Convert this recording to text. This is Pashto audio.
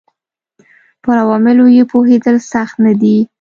پر عواملو یې پوهېدل سخت نه دي.